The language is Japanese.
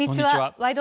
「ワイド！